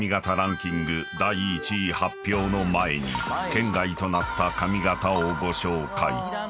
第１位発表の前に圏外となった髪型をご紹介］